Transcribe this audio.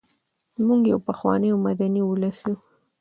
موږ یو پخوانی او مدني ولس یو.